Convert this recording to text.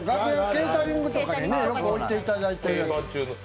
ケータリングとかによく置いていただいて。